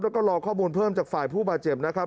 แล้วก็รอข้อมูลเพิ่มจากฝ่ายผู้บาดเจ็บนะครับ